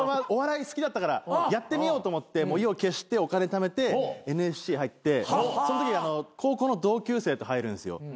お笑い好きだったからやってみようと思って意を決してお金ためてＮＳＣ入ってそのとき高校の同級生と入るんすよ。